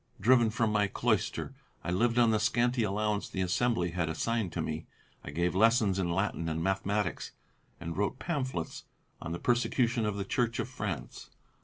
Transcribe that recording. Driven from my cloister, I lived on the scanty allowance the Assembly had assigned to me; I gave lessons in Latin and Mathematics and I wrote pamphlets on the persecution of the Church of France.